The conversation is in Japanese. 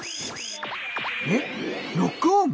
えっロックオン！？